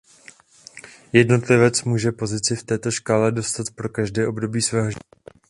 Jednotlivec může pozici v této škále dostat pro každé období svého života.